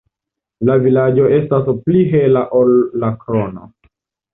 La vizaĝo estas pli hela ol la krono.